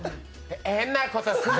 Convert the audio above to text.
変なことすな。